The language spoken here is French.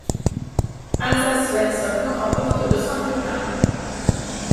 Åsa Svensson remporte le simple dames.